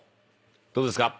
どうですか？